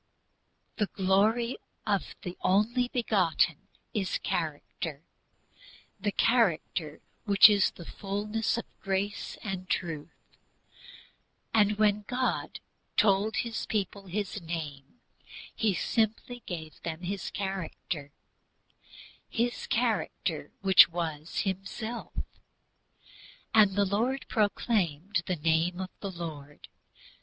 "The Glory of the Only Begotten" is character, the character which is "fullness of grace and truth." And when God told His people His name, He simply gave them His character, His character which was Himself: "And the Lord proclaimed the name of the Lord